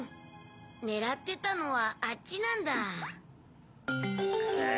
ねらってたのはあっちなんだ。え。